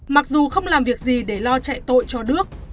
mặc dù không làm việc gì để lo chạy tội cho đước